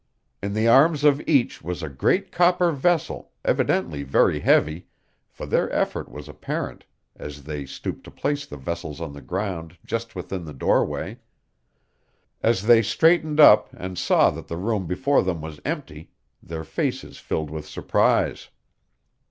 In the arms of each was a great copper vessel, evidently very heavy, for their effort was apparent as they stooped to place the vessels on the ground just within the doorway. As they straightened up and saw that the room before them was empty, their faces filled with surprise.